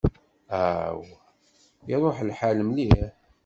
Aw, iṛuḥ lḥal mliḥ!